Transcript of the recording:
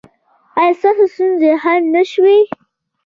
ایا ستاسو ستونزې حل نه شوې؟